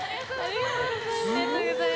ありがとうございます。